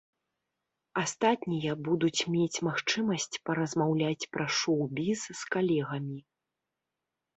Астатнія будуць мець магчымасць паразмаўляць пра шоў-біз з калегамі.